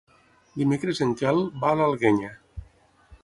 Dimecres en Quel va a l'Alguenya.